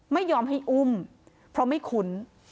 ไม่ยอมให้อุ้มเพราะไม่คุ้น